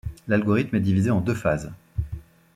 L'algorithme est divisé en deux phases.